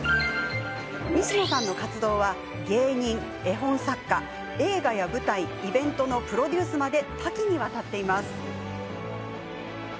西野さんの活動は芸人、絵本作家、映画や舞台イベントのプロデュースまで多岐に渡っています。